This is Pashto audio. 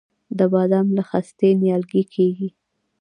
د بادام له خستې نیالګی کیږي؟